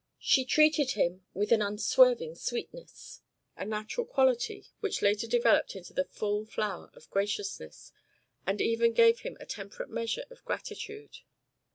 She treated him with an unswerving sweetness, a natural quality which later developed into the full flower of graciousness, and even gave him a temperate measure of gratitude.